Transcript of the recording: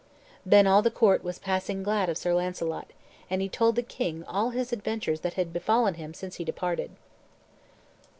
Then all the court was passing glad of Sir Launcelot; and he told the king all his adventures that had befallen him since he departed.